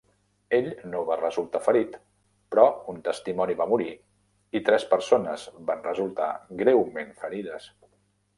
Ell no va resultar ferit, però un testimoni va morir i tres persones van resultar greument ferides.